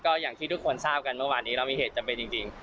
อย่างที่ทุกคนทราบกันเมื่อวานนี้เรามีเหตุจำเป็นจริง